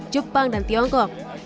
jepang dan tiongkok